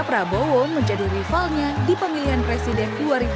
prabowo menjadi rivalnya di pemilihan presiden dua ribu sembilan belas